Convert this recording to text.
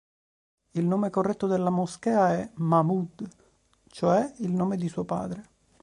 Il nome corretto della moschea è "Mahmud", cioè il nome di suo padre.